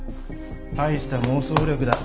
大した妄想力だ。